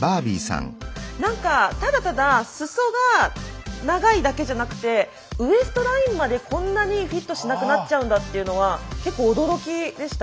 何かただただ裾が長いだけじゃなくてウエストラインまでこんなにフィットしなくなっちゃうんだっていうのは結構驚きでした。